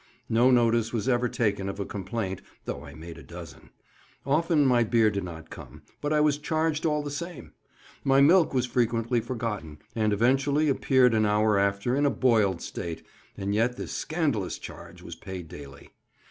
No notice was ever taken of a complaint, though I made a dozen. Often my beer did not come, but I was charged all the same; my milk was frequently forgotten, and eventually appeared an hour after in a boiled state—and yet this scandalous charge was paid daily.